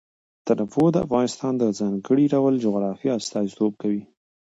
تنوع د افغانستان د ځانګړي ډول جغرافیه استازیتوب کوي.